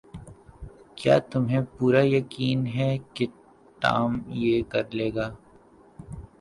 کیا تمہیں پورا یقین ہے کہ ٹام یہ کر لے گا؟